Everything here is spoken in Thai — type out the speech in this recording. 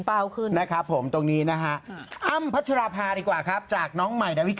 แล้วก็มีหนึ่งคอความบอกว่าทำไมไม่ง